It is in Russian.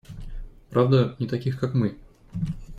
Правда, не таких как мы.